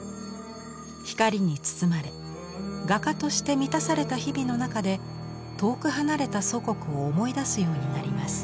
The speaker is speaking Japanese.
光に包まれ画家として満たされた日々の中で遠く離れた祖国を思い出すようになります。